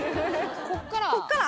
こっから？